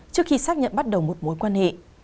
trước khi xác nhận bắt đầu một mối quan hệ